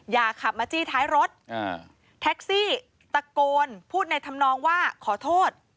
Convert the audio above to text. อย่าขับมาจี้ท้ายรถแท็กซี่ตะโกนพูดในธรรมนองว่าขอโทษ